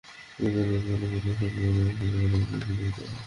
দ্রুত নীতিমালা করে, প্রকৃত বিলবোর্ড ব্যবসায়ীদের যেন ব্যবসার সুযোগ দেওয়া হয়।